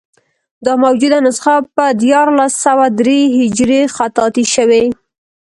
دا موجوده نسخه په دیارلس سوه درې هجري خطاطي شوې.